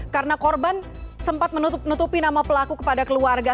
karena korban sempat menutupi nama pelaku kepada keluarga